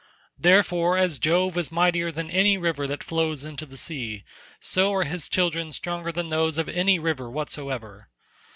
Therefore as Jove is mightier than any river that flows into the sea, so are his children stronger than those of any river whatsoever.